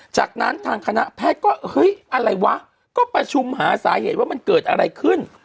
จากนั้นทางคณะแพทย์ก็เฮ้ยอะไรวะก็ประชุมหาสาเหตุว่ามันเกิดอะไรขึ้น